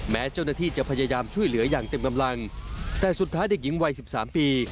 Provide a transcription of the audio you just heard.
แม้เจ้าหน้าที่จะพยายามช่วยเหลืออย่างเต็มกำลังแต่สุดท้ายเด็กหญิงวัยสิบสามปี